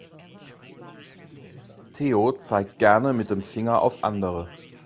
Theo zeigt gerne mit dem Finger auf andere.